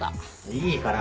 いいから。